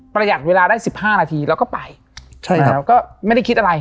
ประหยัดเวลาได้สิบห้านาทีเราก็ไปใช่ครับก็ไม่ได้คิดอะไร